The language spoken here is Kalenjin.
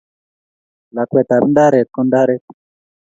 lakwet ab ndarer ko ndaret